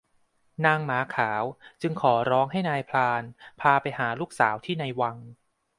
นางหมาขาวจึงขอร้องให้นายพรานพาไปหาลูกสาวที่ในวัง